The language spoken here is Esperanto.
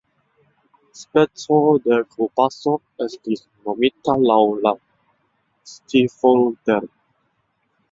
Speco de kolbaso estis nomita laŭ la "Stifolder".